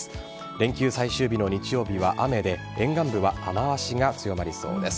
連休最終日の日曜日は雨で沿岸部は雨脚が強まりそうです。